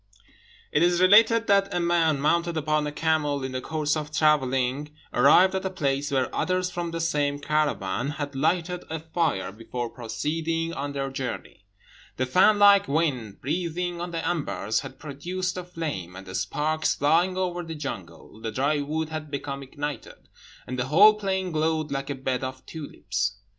It is related that a man, mounted upon a camel, in the course of travelling arrived at a place where others from the same caravan had lighted a fire before proceeding on their journey. The fan like wind, breathing on the embers, had produced a flame; and the sparks, flying over the jungle, the dry wood had become ignited, and the whole plain glowed like a bed of tulips.